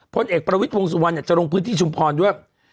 พลเอกประวิทย์วงสุวรรณจะลงพื้นที่ชุมพรด้วย